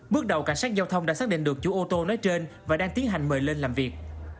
bước đầu cảnh sát giao thông đã xác định được chủ ô tô nói trên và đang tiến hành mời lên làm việc